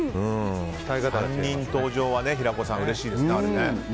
３人登場は平子さんうれしいですね。